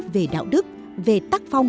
về đạo đức về tác phong